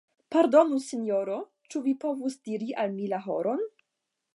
Pardonu Sinjoro, ĉu vi povus diri al mi la horon?